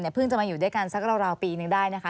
เพิ่งจะมาอยู่ด้วยกันสักราวปีนึงได้นะคะ